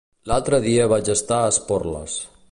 L'altre dia vaig estar a Esporles.